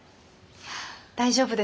大丈夫です。